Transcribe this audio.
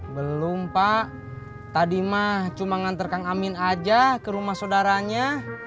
belum pak tadi mah cuma ngantar kang amin aja ke rumah saudaranya